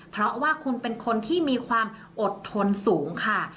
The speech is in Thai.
เพราะว่าคุณเป็นคนที่มีความอดทนสูงค่ะ